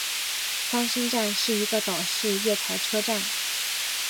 翻身站是一个岛式月台车站。